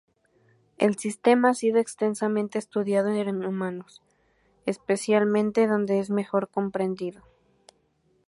El sistema ha sido extensamente estudiado en humanos, especie donde es mejor comprendido.